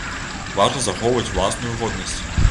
Важна захоўваць уласную годнасць.